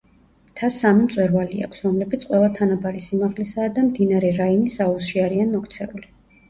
მთას სამი მწვერვალი აქვს, რომლებიც ყველა თანაბარი სიმაღლისაა და მდინარე რაინის აუზში არიან მოქცეული.